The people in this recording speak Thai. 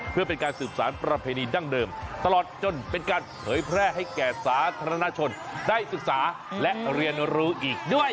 เพื่อเป็นการสืบสารประเพณีดั้งเดิมตลอดจนเป็นการเผยแพร่ให้แก่สาธารณชนได้ศึกษาและเรียนรู้อีกด้วย